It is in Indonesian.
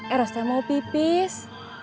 eros teh mau pipis